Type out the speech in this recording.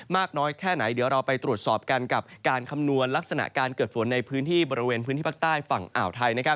มากน้อยแค่ไหนเดี๋ยวเราไปตรวจสอบกันกับการคำนวณลักษณะการเกิดฝนในพื้นที่บริเวณพื้นที่ภาคใต้ฝั่งอ่าวไทย